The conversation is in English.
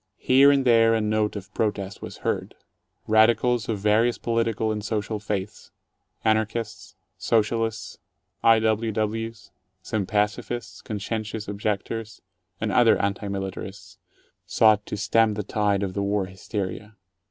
Here and there a note of protest was heard. Radicals of vari ous political and social faiths — Anarchists, Socialists, I. W. Ws., some pacifists, conscientious objectors, and other anti militarists — sought to stem the tide of the war hysteria.